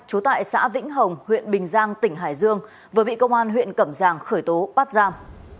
trú tại xã vĩnh hồng huyện bình giang tỉnh hải dương vừa bị công an huyện cẩm giang khởi tố bắt giam